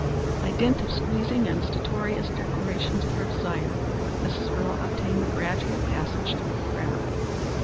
By dint of squeezing and stertorous declarations of her desire, Mrs. Earle obtained a gradual passage through the crowd.